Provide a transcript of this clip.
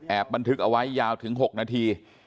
บันทึกเอาไว้ยาวถึง๖นาที